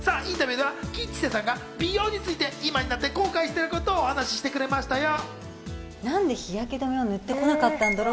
インタビューでは吉瀬さんが美容について今になって後悔してることを教えてくれましたよ。